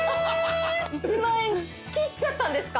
１万円切っちゃったんですか？